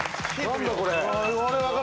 何だこれ。